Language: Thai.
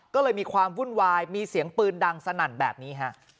ก็เลยมีความวุ่นวายมีเสียงปืนดังสนั่นแบบนี้ฮะ